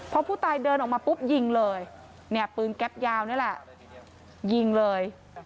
พอผู้ตายเดินออกมาปุ๊บยิงเลยเนี่ยปืนแก๊ปยาวนี่แหละยิงเลย